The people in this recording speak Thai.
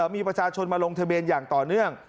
มีประชาชนมาลงทะเบียนอย่างต่อเนื่อง